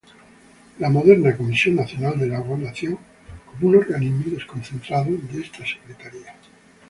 La moderna Comisión Nacional del Agua, nació como un organismo desconcentrado de esta secretaría.